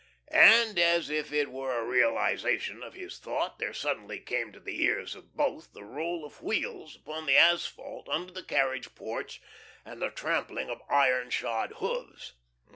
And, as if it were a realisation of his thought, there suddenly came to the ears of both the roll of wheels upon the asphalt under the carriage porch and the trampling of iron shod hoofs.